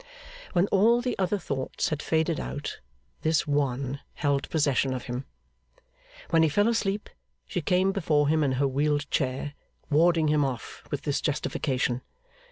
When all the other thoughts had faded out, this one held possession of him. When he fell asleep, she came before him in her wheeled chair, warding him off with this justification.